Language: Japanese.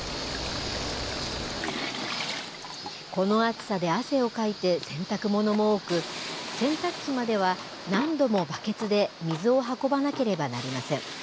この暑さで汗をかいて、洗濯物も多く、洗濯機までは、何度もバケツで水を運ばなければなりません。